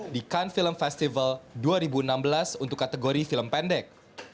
di kan film festival dua ribu enam belas untuk kategori film pendek